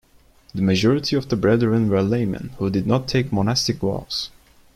The majority of the Brethren were laymen who did not take monastic vows.